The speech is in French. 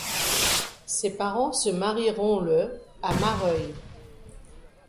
Ses parents se marieront le à Marœuil.